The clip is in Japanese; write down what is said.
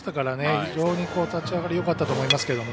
非常に立ち上がりよかったと思いますけどね。